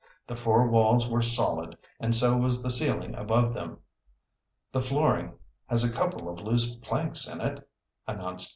The four walls were solid and so was the ceiling above them. "The flooring has a couple of loose planks in it," announced.